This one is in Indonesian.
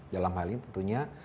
dalam hal ini tentunya